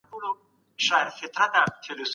تاسي ولي د خپل موبایل ژبه نه بدلوئ؟